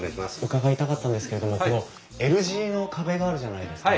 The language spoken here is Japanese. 伺いたかったんですけれどもこのＬ字の壁があるじゃないですか。